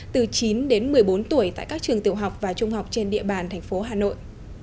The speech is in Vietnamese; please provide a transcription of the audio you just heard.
từ chín đến một mươi bốn tuổi tại các trường tiểu học và trung học trên địa bàn thành phố hà nội